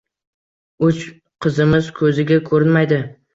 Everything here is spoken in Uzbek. Uch qizimiz ko`ziga ko`rinmaydi